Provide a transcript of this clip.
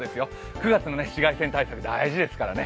９月の紫外線対策、大事ですからね。